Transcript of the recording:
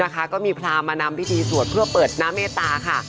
ก็มีพรามมานำพิธีสวดเพื่อเปิดหน้าเมตตาค่ะ